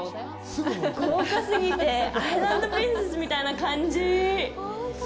豪華過ぎてアイランドプリンセスみたいな感じ。